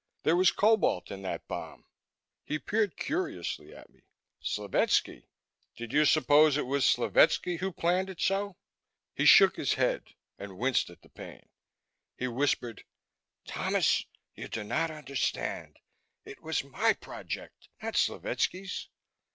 There was cobalt in that bomb." He peered curiously at me. "Slovetski? Did you suppose it was Slovetski who planned it so?" He shook his head and winced at the pain. He whispered, "Thomas, you do not understand. It was my project, not Slovetski's.